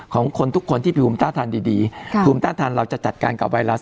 ของคนทุกคนที่มีภูมิต้าทานดีภูมิต้านทานเราจะจัดการกับไวรัส